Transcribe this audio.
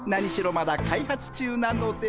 まだ開発中なので。